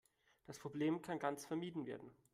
Das Problem kann ganz vermieden werden.